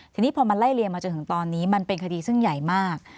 ทีนี้พอมันไล่เลียงมาจนถึงตอนนี้มันเป็นคดีซึ่งใหญ่มาก